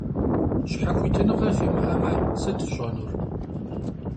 Щхьэхуитыныгъэ фимыӏэмэ, сыт фщӏэнур?